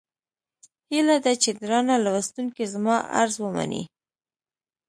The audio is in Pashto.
هيله ده چې درانه لوستونکي زما عرض ومني.